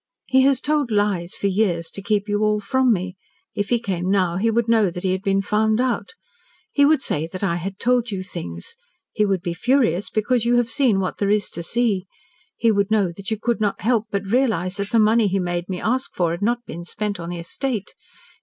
"He has told lies for years to keep you all from me. If he came now, he would know that he had been found out. He would say that I had told you things. He would be furious because you have seen what there is to see. He would know that you could not help but realise that the money he made me ask for had not been spent on the estate.